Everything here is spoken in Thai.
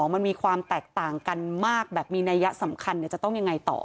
มันมีความแตกต่างกันมากแบบมีนัยยะสำคัญจะต้องยังไงต่อ